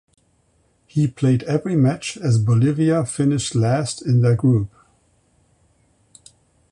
He played every match as Bolivia finished last in their group.